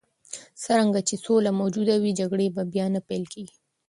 څرنګه چې سوله موجوده وي، جګړې به بیا نه پیل کېږي.